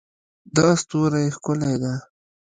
دا ستوری ښکلی ده